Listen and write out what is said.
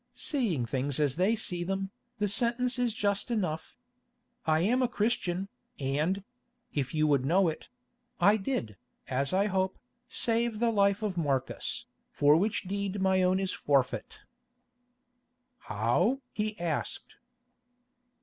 Seeing things as they see them, the sentence is just enough. I am a Christian, and—if you would know it—I did, as I hope, save the life of Marcus, for which deed my own is forfeit." "How?" he asked.